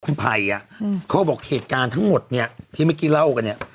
คุณภัยเขาบอกเหตุการณ์ทั้งหมดที่เมื่อกี้เล่ากัน